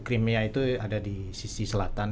crimea itu ada di sisi selatan